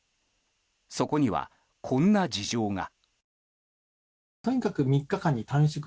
そこには、こんな事情が。